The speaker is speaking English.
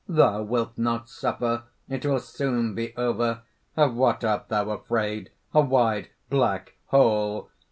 Thou wilt not suffer. It will soon be over. Of what art thou afraid? a wide, black hole!